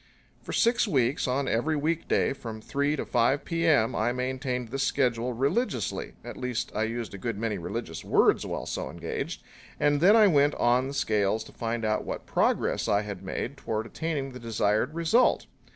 For six weeks, on every week day from three to five P.M. I maintained this schedule religiously at least I used a good many religious words while so engaged and then I went on the scales to find out what progress I had made toward attaining the desired result.